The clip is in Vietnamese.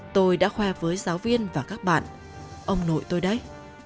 tôi đã khoa với giáo viên và các bạn ông nội tôi đấy